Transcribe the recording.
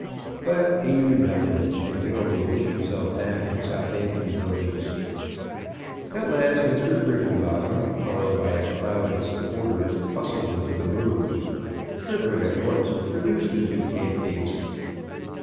But he knew nothing, and could only wish himself back in Southampton Buildings. At last Mr. Griffenbottom, followed by a cloud of supporters, bustled into the room. Trigger at once introduced the two candidates.